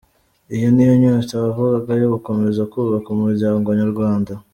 Iyi niyo nyota wavugaga yo gukomeza kubaka Umuryango Nyarwanda?